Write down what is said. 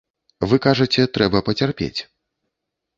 Вы кажаце, трэба пацярпець.